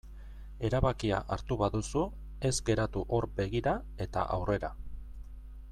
Erabakia hartu baduzu ez geratu hor begira eta aurrera.